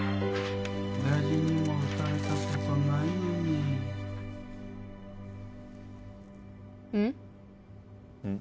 親父にもうたれたことないのにうん？